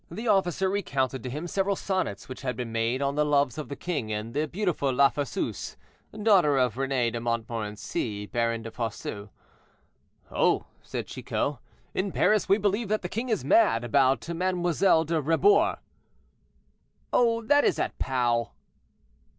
The officer recounted to him several sonnets which had been made on the loves of the king and the beautiful La Fosseuse, daughter of Rene de Montmorency, baron de Fosseux. "Oh!" said Chicot; "in Paris, we believe that the king is mad about Mlle. de Rebours." "Oh! that is at Pau."